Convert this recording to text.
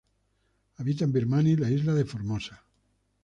Habita en Birmania y la isla de Formosa.